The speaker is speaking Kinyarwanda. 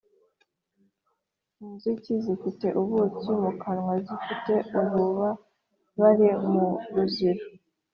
inzuki zifite ubuki mu kanwa zifite ububabare mu murizo